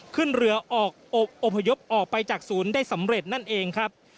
ขึ้นเรือออกอบพยพออกไปจากศูนย์ได้สำเร็จนั่นเองครับ